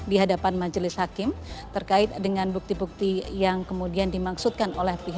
di hadapan majelis hakim terkait dengan bukti bukti yang kemudian dimaksudkan oleh pihak